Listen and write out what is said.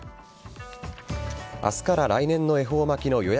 明日から来年の恵方巻きの予約